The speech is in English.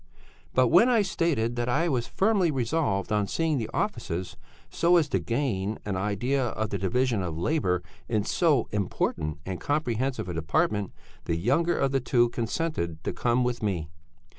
"But when I stated that I was firmly resolved on seeing the offices, so as to gain an idea of the division of labour in so important and comprehensive a department, the younger of the two consented to come with me.